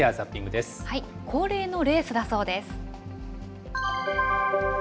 恒例のレースだそうです。